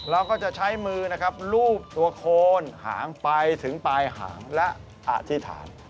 เราก็จะใช้มือนะครับรูปตัวโคนหางไปถึงปลายหางและอธิษฐาน